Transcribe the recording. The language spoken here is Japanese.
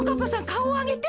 かおをあげて。